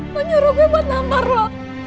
lo nyuruh gue buat tampar lo